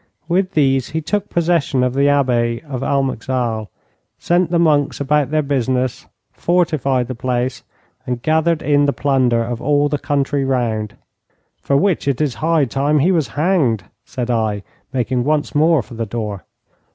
With these he took possession of the Abbey of Almeixal, sent the monks about their business, fortified the place, and gathered in the plunder of all the country round.' 'For which it is high time he was hanged,' said I, making once more for the door.